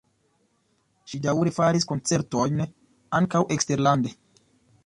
Ŝi daŭre faris koncertojn ankaŭ eksterlande.